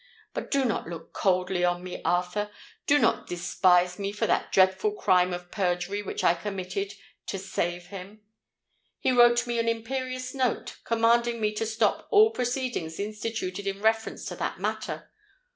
"But do not look coldly on me, Arthur—do not despise me for that dreadful crime of perjury which I committed to save him. He wrote me an imperious note, commanding me to stop all proceedings instituted in reference to that matter.